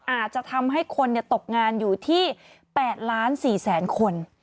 อาจจะทำให้คนตกงานอยู่ที่๘๔๐๐๐คน